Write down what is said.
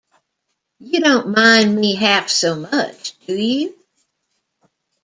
You don't mind me half so much, do you?